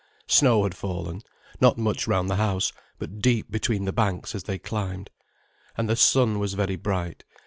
Snow had fallen—not much round the house, but deep between the banks as they climbed. And the sun was very bright.